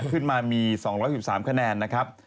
ขึ้นมามี๒๑๓คะแนนนะครับ